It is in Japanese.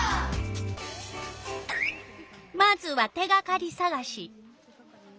まずは手がかりさがし。